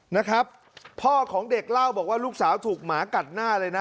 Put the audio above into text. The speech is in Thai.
นะครับพ่อของเด็กเล่าบอกว่าลูกสาวถูกหมากัดหน้าเลยนะ